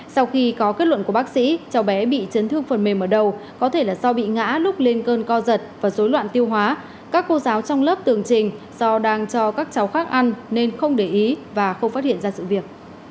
sau khi có kết luận của bác sĩ cháu bé bị chấn thương phần mềm ở đầu có thể là do bị ngã lúc lên cơn co giật và dối loạn tiêu hóa các cô giáo trong lớp tường trình do đang cho các cháu khác ăn nên không để ý và không phát hiện ra sự việc